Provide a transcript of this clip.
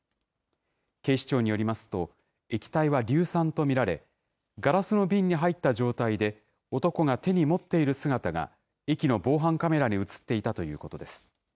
警視庁によりますと、液体は硫酸と見られ、ガラスの瓶に入った状態で、男が手に持っている姿が、駅の防犯カメラに写っていたということです。